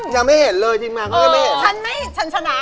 ยังไม่เห็นเลยจริงมาก็ไม่เห็น